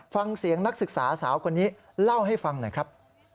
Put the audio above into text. ฟังเสียงนักศึกษาสาวคนนี้เล่าให้ฟังหน่อยครับ